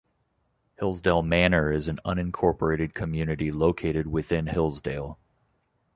Hillsdale Manor is an unincorporated community located within Hillsdale.